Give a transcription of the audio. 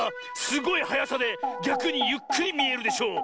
すごいはやさでぎゃくにゆっくりみえるでしょ？